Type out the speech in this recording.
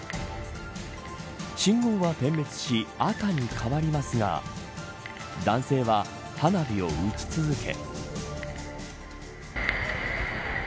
信号は点滅し、赤に変わりますが男性は花火を打ち続け。